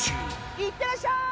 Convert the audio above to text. いってらっしゃーい！